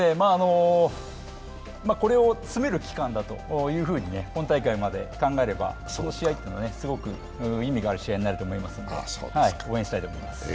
これを詰める期間だと本大会まで考えれば、その試合っていうのもすごく意味のある試合になると思いますので応援したいと思います。